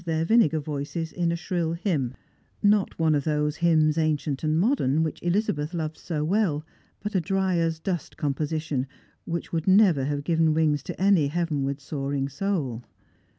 tlieir vinegar voices in a shrill hymn, not one of those Hymns Ancient and Modem, which Elizabeth loved so well, but a dry as dust composition, which would never have given wings to any heavenward soaring soul.